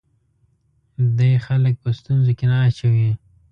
دی خلک په ستونزو کې نه اچوي.